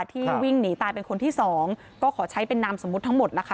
ที่วิ่งหนีตายเป็นคนที่สองก็ขอใช้เป็นนามสมมุติทั้งหมดแล้วค่ะ